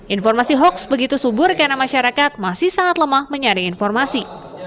informasi hoax begitu subur karena masyarakat masih sangat lemah menyaring informasi